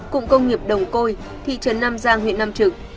cụng công nghiệp đồng côi thị trấn nam giang huyện nam trực